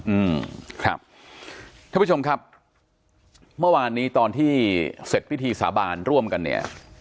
อืมครับท่านผู้ชมครับเมื่อวานนี้ตอนที่เสร็จพิธีสาบานร่วมกันเนี่ย